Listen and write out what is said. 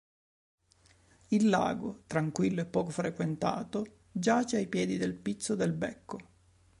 Il lago, tranquillo e poco frequentato, giace ai piedi del Pizzo del Becco.